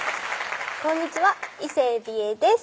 「こんにちは伊勢海老絵です」